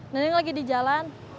neneng lagi di jalan